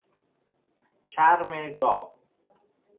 چرم گاو